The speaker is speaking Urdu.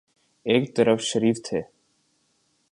ایک طرف شریف تھے۔